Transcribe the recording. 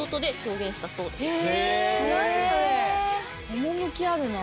趣あるなあ。